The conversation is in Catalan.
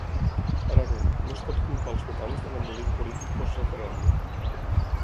Ara bé, no es pot culpar els votants de l’embolic polític post-referèndum.